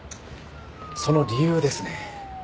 その理由ですね。